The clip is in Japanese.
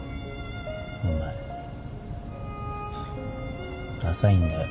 お前ダサいんだよ